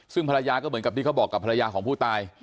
ซึ่งภรรยาก็เหมือนกับที่เขาบอกกับภรรยาของผู้ตาย